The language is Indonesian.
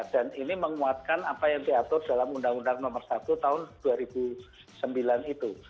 dan ini menguatkan apa yang diatur dalam undang undang nomor satu tahun dua ribu sembilan itu